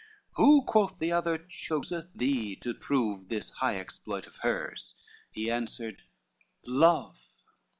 "Who," quoth the other, "choseth thee to prove This high exploit of hers?" He answered, "Love."